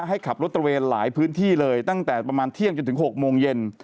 ให้ขับรถตระเวนหลายพื้นที่เลยตั้งแต่ประมาณเที่ยงจนถึง๖โมงเย็น